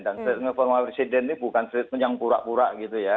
dan statement formal presiden ini bukan statement yang pura pura gitu ya